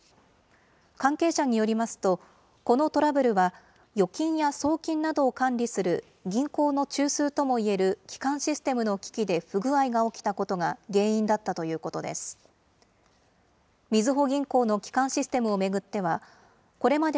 関係者によりますと、このトラブルは預金や送金などを管理する銀行の中枢ともいえる基幹システムの機器で不具合が起きたことが原因だったということです。